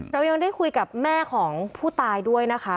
เรายังได้คุยกับแม่ของผู้ตายด้วยนะคะ